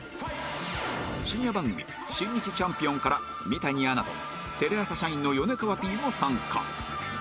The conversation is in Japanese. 深夜番組『新日ちゃんぴおん。』から三谷アナとテレ朝社員の米川 Ｐ も参加